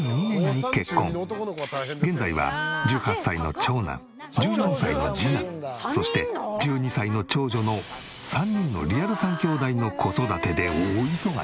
現在は１８歳の長男１４歳の次男そして１２歳の長女の３人のリアル３兄弟の子育てで大忙し。